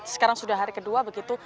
sekarang sudah hari kedua begitu